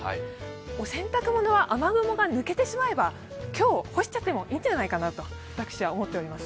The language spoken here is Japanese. お洗濯物は雨雲が抜けてしまえば、今日干しちゃってもいいんじゃないかと私は思っています。